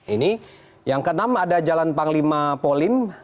ini yang ke enam ada jalan panglima polim